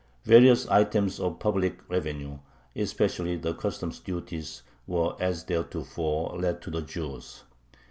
Various items of public revenue, especially the customs duties, were as theretofore let to the Jews.